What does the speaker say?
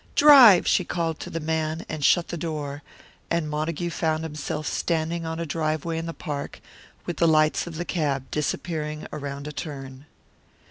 "Drive!" she called to the man, and shut the door; and Montague found himself standing on a driveway in the park, with the lights of the cab disappearing around a turn.